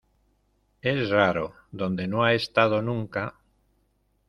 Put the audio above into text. es raro. donde no ha estado nunca